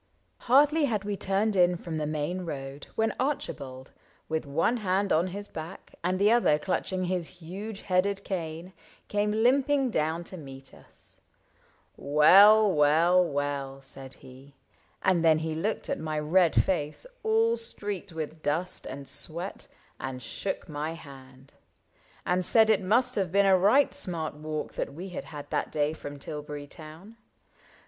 Hardly had we turned in from the main road When Archibald, with one hand on his back And the other clutching his huge headed cane. Came limping down to meet us. —'' Well ! well ! well !" 92 ISAAC AND ARCHIBALD Said he ; and then he looked at my red face, All streaked with dust and sweat, and shook my hand, And said it must have been a right smart walk That we had had that day from Tilbury Town.